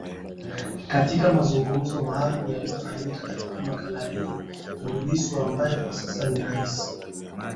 katika mazungumzo maalumu yaliyofanyika Katika makala hii Tundu Lissu ambaye kwa sasa ni rais